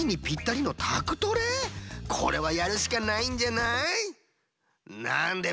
これはやるしかないんじゃない？